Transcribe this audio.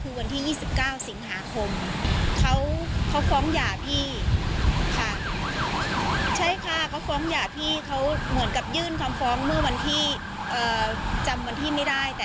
เมื่อวันที่จำวันที่ไม่ได้แต่ช่วงประมาณเดือนวิทยุงนายม